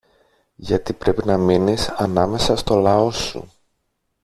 Γιατί πρέπει να μείνεις ανάμεσα στο λαό σου.